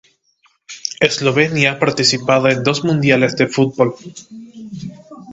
Eslovenia ha participado en dos mundiales de fútbol.